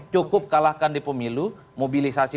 cukup kalahkan di pemilu mobilisasi